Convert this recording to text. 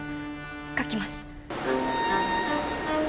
書きます。